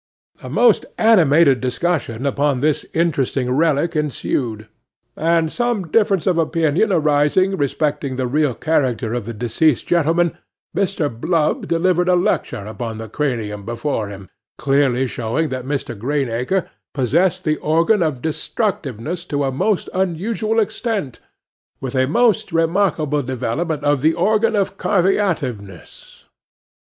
'A most animated discussion upon this interesting relic ensued; and, some difference of opinion arising respecting the real character of the deceased gentleman, Mr. Blubb delivered a lecture upon the cranium before him, clearly showing that Mr. Greenacre possessed the organ of destructiveness to a most unusual extent, with a most remarkable development of the organ of carveativeness.